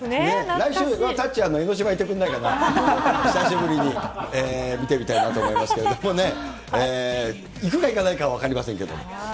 来週はタッチ、江の島行ってくれないかな、久しぶりに見てみたいなと思いますけれども、もうね、行くか行かないかは分かりませんけれども。